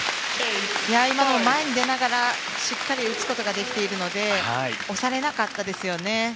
今も、前に出ながらしっかり打つことができているので押されなかったですよね。